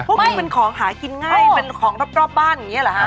มันเป็นของหากินง่ายเป็นของรอบบ้านอย่างนี้เหรอฮะ